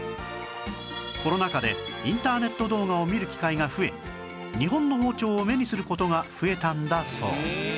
コロナ禍でインターネット動画を見る機会が増え日本の包丁を目にする事が増えたんだそう